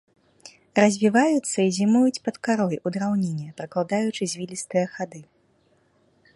Развіваюцца і зімуюць пад карой, у драўніне, пракладаючы звілістыя хады.